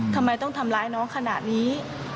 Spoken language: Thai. ทำไมต้องทำร้ายน้องขนาดนี้